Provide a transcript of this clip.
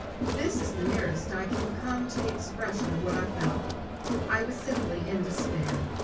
This is the nearest I can come to the expression of what I felt. I was simply in despair.